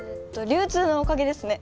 流通のおかげですね。